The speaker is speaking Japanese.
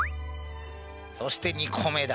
そして２個目だ。